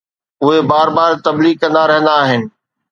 اهي بار بار تبليغ ڪندا رهندا آهن.